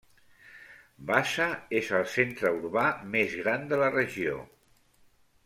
Vaasa és el centre urbà més gran de la regió.